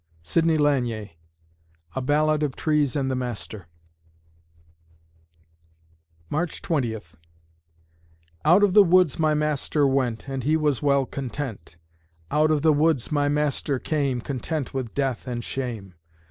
SIDNEY LANIER (A Ballad of Trees and the Master) March Twentieth Out of the woods my Master went, And He was well content. Out of the woods my Master came, Content with death and shame.